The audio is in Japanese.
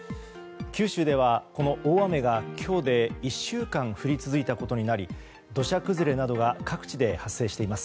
九州ではこの大雨が、今日で１週間降り続いたことになり土砂崩れなどが各地で発生しています。